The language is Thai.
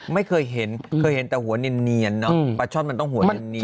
ไม่เคยเห็นเคยเห็นแต่หัวเนียนเนอะปลาช่อนมันต้องหัวเนียน